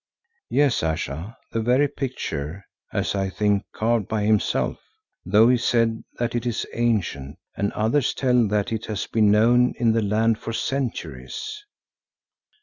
"Yes, Ayesha, the very picture, as I think, carved by himself, though he said that it is ancient, and others tell that it has been known in the land for centuries."